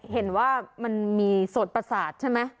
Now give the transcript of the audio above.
เห็นว่ามันมีโสดประสาทใช่ไหม